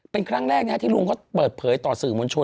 เป็นครั้งแรกที่ลุงเขาเปิดเผยต่อสื่อมวลชน